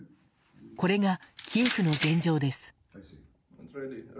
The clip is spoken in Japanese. これがキエフの現状です。